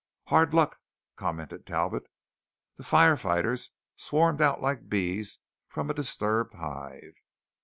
"Hard luck!" commented Talbot. The firefighters swarmed out like bees from a disturbed hive.